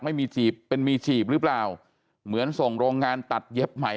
ไม่มีจีบเป็นมีจีบหรือเปล่าเหมือนส่งโรงงานตัดเย็บใหม่